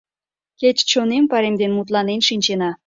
Кеч чоным паремден мутланен шинчена.